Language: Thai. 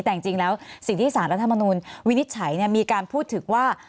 แต่จริงแล้วสิ่งที่สารรัฐมนุนวินิจฉัยมีการพูดถึงว่า